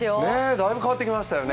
大分、変わってきましたよね